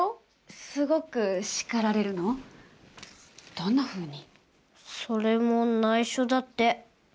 どんなふうに？